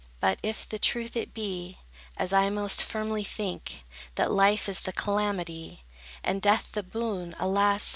But, if the truth it be, As I most firmly think, That life is the calamity, And death the boon, alas!